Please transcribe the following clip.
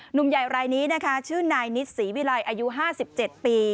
หนุ่มใหญ่รายนี้นะคะชื่อนายนิดศรีวิลัยอายุ๕๗ปี